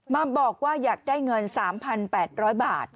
มาบอกว่าอยากได้เงิน๓๘๐๐บาท